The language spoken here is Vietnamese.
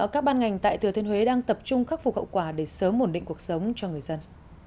các ban ngành tại thừa thiên huế đang tập trung khắc phục hậu quả để sớm ổn định cuộc sống cho người dân